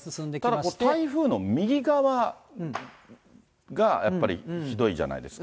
ただ台風の右側がやっぱりひどいじゃないですか。